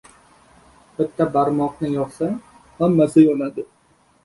• Bitta barmoqni yoqsang hammasi yonadi.